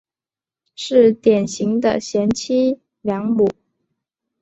是典型的贤妻良母。